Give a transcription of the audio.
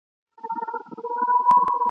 په سل ګونو یې ترې جوړ کړل قفسونه..